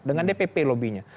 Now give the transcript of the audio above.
dengan dpp lobbynya